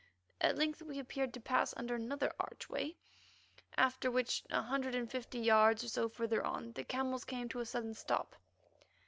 At length we appeared to pass under another archway, after which, a hundred and fifty yards or so further on, the camels came to a sudden stop.